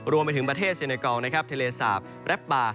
รวมไปถึงประเทศเซเนกอลนะครับทะเลสาบแรปบา